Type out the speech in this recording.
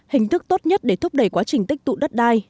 hình thức tốt nhất để thúc đẩy quá trình tích tụ đất đai